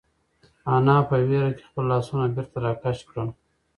انا په وېره کې خپل لاسونه بېرته راکش کړل.